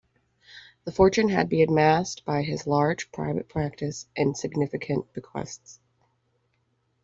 The fortune had been amassed by his large private practice and significant bequests.